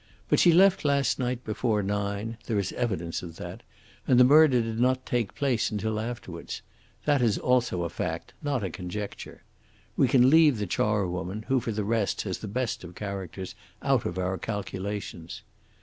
But she left last night before nine there is evidence of that and the murder did not take place until afterwards. That is also a fact, not a conjecture. We can leave the charwoman, who for the rest has the best of characters, out of our calculations.